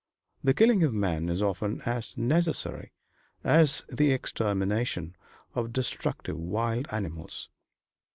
The killing of men is often as necessary as the extermination of destructive wild animals.